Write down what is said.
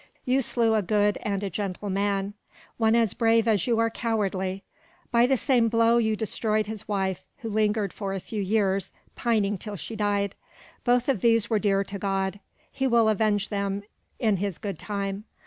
You slew a good and a gentle man; one as brave as you are cowardly. By the same blow you destroyed his wife, who lingered for a few years, pining till she died. Both of these were dear to God. He will avenge them in His good time.